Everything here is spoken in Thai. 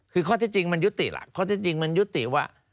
คือข้อที่จริงมันยุติล่ะข้อเท็จจริงมันยุติว่า